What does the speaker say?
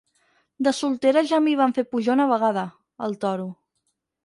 De soltera ja m'hi van fer pujar una vegada, al Toro.